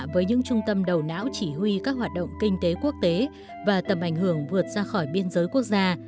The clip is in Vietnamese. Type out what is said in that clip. với những trung tâm đầu não chỉ huy các hoạt động kinh tế quốc tế và tầm ảnh hưởng vượt ra khỏi biên giới quốc gia